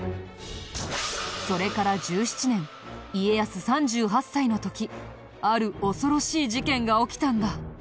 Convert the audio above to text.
それから１７年家康３８歳の時ある恐ろしい事件が起きたんだ。